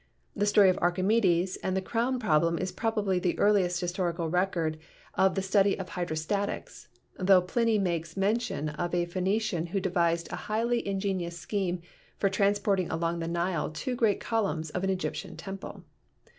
The story of Archimedes and the crown problem is probably the earliest historic record of the study of hydrostatics, tho Pliny makes mention of a Phenician who devised a highly in genious scheme for transporting along the Nile two great columns of an Egyptian temple.